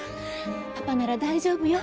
パパなら大丈夫よ。